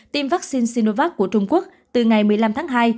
tiêm vaccine sinovac của trung quốc từ ngày một mươi năm tháng hai